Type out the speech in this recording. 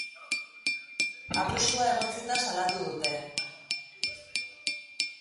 Abusua egotzita salatu dute.